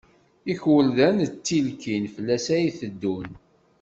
Ikurdan d tilkin, fell-as ay teddun.